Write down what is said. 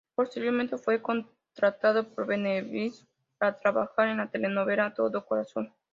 Posteriormente fue contratado por Venevisión para trabajar en la telenovela "A todo corazón".